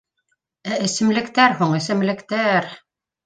Ә эсемлектәр һуң, эсемлектәр